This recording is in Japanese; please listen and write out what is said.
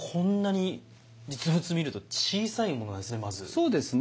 そうですね。